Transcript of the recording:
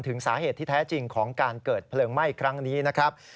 สาเหตุที่แท้จริงของการเกิดเพลิงไหม้ครั้งนี้นะครับ